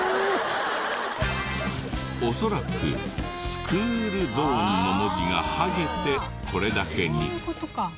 恐らくスクールゾーンの文字が剥げてこれだけに。